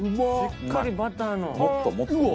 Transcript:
しっかりバターの。